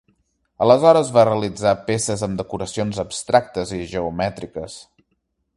Aleshores va realitzar peces amb decoracions abstractes i geomètriques.